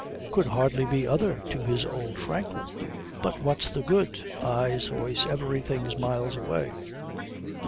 Could hardly be other to his old Franklin. But what's the good? Eyes, voice, everything's miles away.